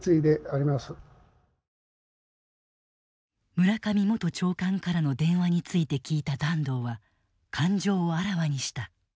村上元長官からの電話について聞いた團藤は感情をあらわにした。